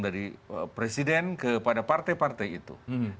dari presiden kepada partai partai itu